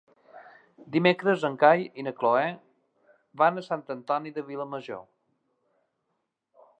Dimecres en Cai i na Cloè van a Sant Antoni de Vilamajor.